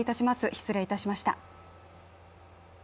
失礼いたしました。